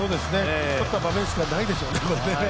とった場面しかないでしょうね。